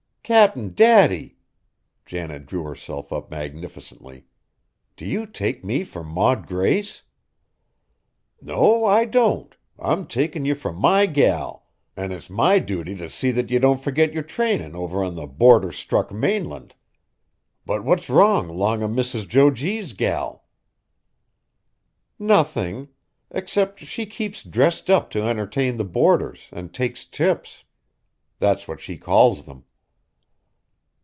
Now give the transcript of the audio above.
"Cap'n Daddy!" Janet drew herself up magnificently. "Do you take me for Maud Grace?" "No, I don't, I'm takin' ye fur my gal, an' it's my duty t' see that ye don't furgit yer trainin' over on the boarder struck mainland! But what's wrong 'long o' Mrs. Jo G.'s gal?" "Nothing. Except she keeps dressed up to entertain the boarders, and takes tips. That's what she calls them."